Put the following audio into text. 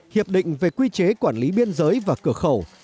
hiệp định về quy chế quản lý biên giới và cửa khẩu